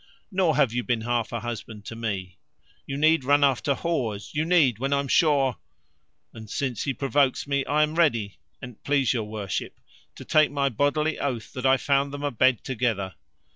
Nor have you been half a husband to me. You need run after whores, you need, when I'm sure And since he provokes me, I am ready, an't please your worship, to take my bodily oath that I found them a bed together.